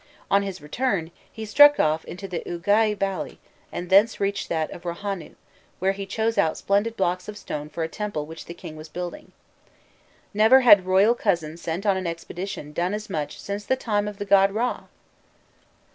On his return, he struck off into the Uagai valley, and thence reached that of Rohanû, where he chose out splendid blocks of stone for a temple which the king was building: "Never had 'Royal Cousin' sent on an expedition done as much since the time of the god Râ!"